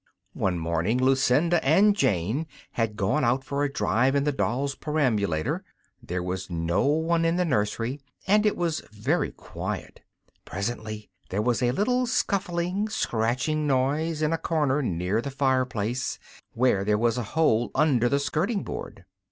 One morning Lucinda and Jane had gone out for a drive in the doll's perambulator. There was no one in the nursery, and it was very quiet. Presently there was a little scuffling, scratching noise in a corner near the fireplace, where there was a hole under the skirting board.